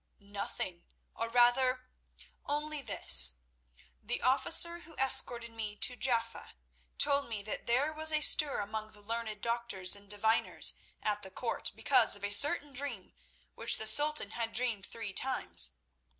"Nothing; or, rather, only this—the officer who escorted me to Jaffa told me that there was a stir among the learned doctors and diviners at the court because of a certain dream which the Sultan had dreamed three times.